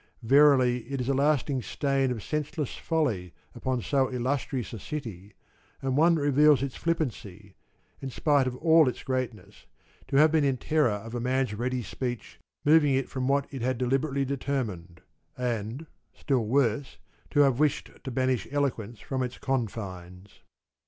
Verily it is a lasting stain of senseless folly upon so Illustrious a city, and one that reveals Its flippancy, in spite of all its greatness, to have been in terror of a man's ready speech moving It from what it had deliberately determined, and, still worse, to have wished to banish eloquence from its confines.